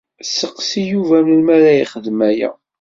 Sseqsi Yuba melmi ara yexdem aya.